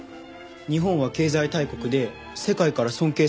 日本は経済大国で世界から尊敬されてたんだって。